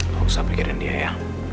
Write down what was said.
gak usah pikirin dia ya